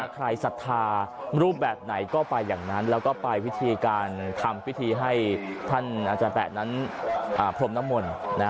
ศรัทธารูปแบบไหนก็ไปอย่างนั้นแล้วก็ไปวิธีการทำพิธีให้ท่านอาจารย์แปะนั้นพรมน้ำมนต์